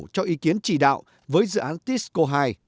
cho ý kiến chỉ đạo với dự án tisco hai